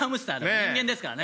人間ですからね。